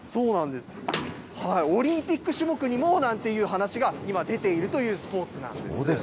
オリンピック種目にもなんていう話が今、出ているというスポーツなんです。